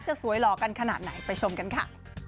สวยหล่อกันขนาดไหนไปชมกันค่ะ